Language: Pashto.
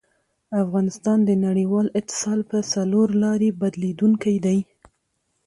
افغانستان د نړیوال اتصال په څلورلاري بدلېدونکی دی.